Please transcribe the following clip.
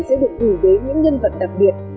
sẽ được gửi đến những nhân vật đặc biệt